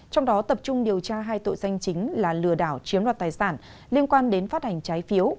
trong đó tập trung điều tra hai tội danh chính là lừa đảo chiếm đoạt tài sản liên quan đến phát hành trái phiếu